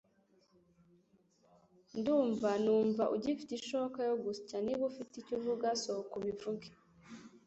Ndumva numva ugifite ishoka yo gusya. Niba ufite icyo uvuga sohoka ubivuge